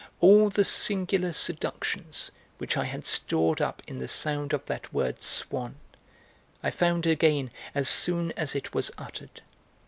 All the singular seductions which I had stored up in the sound of that word Swann, I found again as soon as it was uttered.